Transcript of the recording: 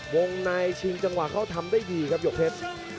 วงในชิงจังหวะเขาทำได้ดีครับหยกเพชร